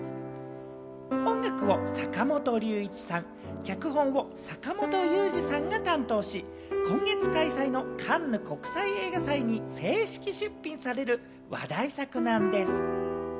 音楽を坂本龍一さん、脚本を坂元裕二さんが担当し、今月開催のカンヌ国際映画祭に正式出品される話題作なんです。